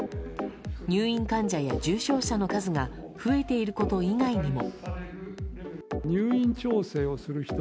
入院患者や重症者の数が増えていること以外にも。